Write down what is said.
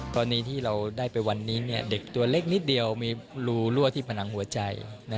ตอนนี้ที่เราได้ไปวันนี้เด็กตัวเล็กนิดเดียวมีรูรั่วที่ผนังหัวใจ